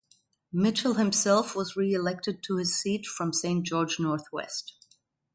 Mitchell himself was re-elected to his seat from Saint George North West.